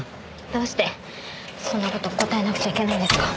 どうしてそんな事答えなくちゃいけないんですか？